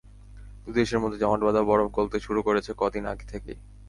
দুই দেশের মধ্যে জমাটবাঁধা বরফ গলতে শুরু করেছে কদিন আগে থেকে।